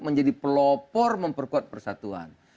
menjadi pelopor memperkuat persatuan